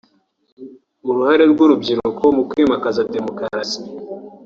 ”Uruhare rw’Urubyiruko mu Kwimakaza Demokarasi”